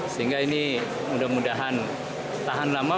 sehingga ini mudah mudahan tahan lama